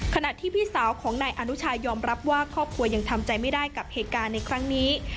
ขณะที่พี่สาวของนายอนุชายอมรับว่าครอบครัวยังทำใจไม่ได้กับเหตุการณ์ในครั้งนี้